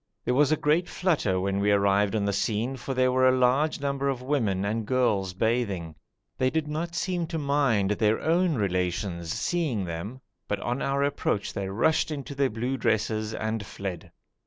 There was a great flutter when we arrived on the scene, for there were a large number of women and girls bathing. They did not seem to mind their own relations seeing them, but on our approach they rushed into their blue dresses and fled.